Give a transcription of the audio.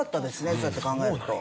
そうやって考えると。